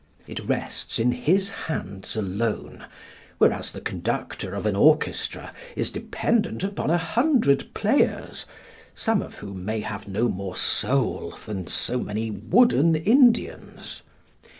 It rests in his hands alone, whereas the conductor of an orchestra is dependent upon a hundred players, some of whom may have no more soul than so many wooden Indians.